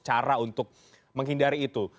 cara untuk menghindari itu